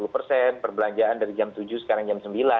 perbelanjaan dari jam tujuh sekarang jam sembilan